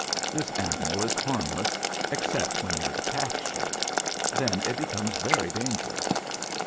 This animal is harm less, except when it attacks you. Then it becomes very dangerous.